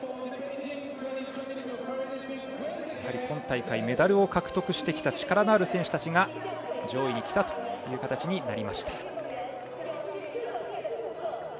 今大会、メダルを獲得してきた力のある選手が上位にきたという形になりました。